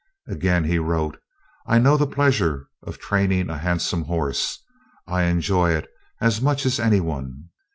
Again he wrote: "I know the pleasure of training a handsome horse. I enjoy it as much as any one."